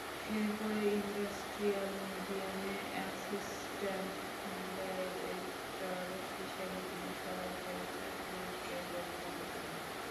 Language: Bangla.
এরপর ইন্ডাস্ট্রিয়াল মিউজিয়ামে অ্যাসিস্ট্যান্ট ডাইরেক্টর হিসেবে তিনি সরকারি চাকরিতে যোগদান করেন।